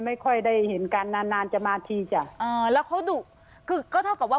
ไม่ค่อยได้เห็นกันนานนานจะมาทีจ้ะเออแล้วเขาดุคือก็เท่ากับว่า